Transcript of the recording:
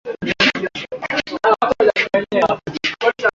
Huenda wanaweza kutupa wazo la hapa na pale na maelezo moja au mawili